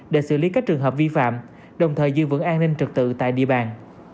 để xử lý các trường hợp vi phạm đồng thời giữ vững an ninh trực tự tại địa bàn